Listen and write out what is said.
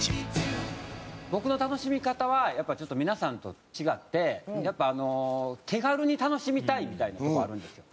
僕の楽しみ方は皆さんと違ってやっぱあの手軽に楽しみたいみたいなところあるんですよ。